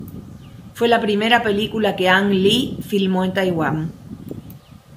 Fue la primera película que Ang Lee filmó en Taiwán.